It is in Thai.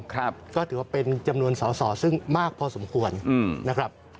ก็ถือว่าเป็นจำนวนสอสอซึ่งมากพอสมควรนะครับ